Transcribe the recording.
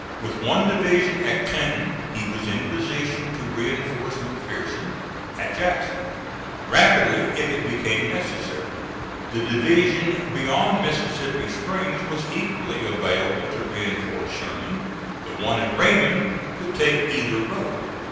With one division at Clinton he was in position to reinforce McPherson, at Jackson, rapidly if it became necessary; the division beyond Mississippi Springs was equally available to reinforce Sherman; the one at Raymond could take either road.